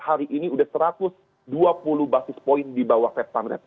hari ini udah satu ratus dua puluh basis point di bawah fed fund rate